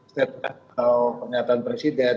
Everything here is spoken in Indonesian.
statement atau pernyataan presiden